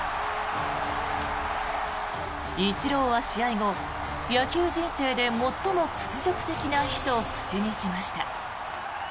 イチローは試合後野球人生で最も屈辱的な日と口にしました。